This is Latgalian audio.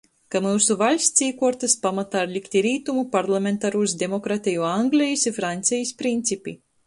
Ka "myusu vaļsts īkuortys pamatā ir lykti rītumu parlamentarūs demokrateju Anglejis i Fraņcejis principi".